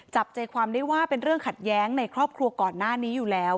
จับใจความได้ว่าเป็นเรื่องขัดแย้งในครอบครัวก่อนหน้านี้อยู่แล้ว